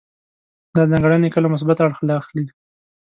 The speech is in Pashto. دا ځانګړنې کله مثبت اړخ اخلي.